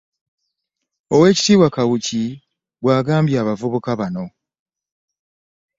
Oweekitiibwa Kawuki bw'agambye abavubuka bano